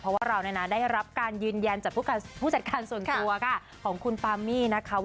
เพราะว่าเราได้รับการยืนยันจากผู้จัดการส่วนตัวค่ะของคุณปามี่นะคะ